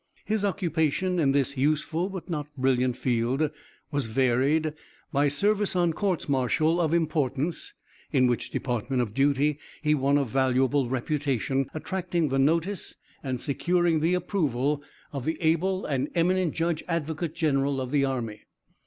His occupation in this useful but not brilliant field was varied by service on courts martial of importance, in which department of duty he won a valuable reputation, attracting the notice and securing the approval of the able and eminent Judge Advocate General of the army.